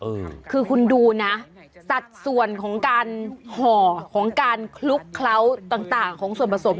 เออคือคุณดูนะสัดส่วนของการห่อของการคลุกเคล้าต่างต่างของส่วนผสม